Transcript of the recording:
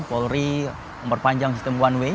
polri memperpanjang sistem one way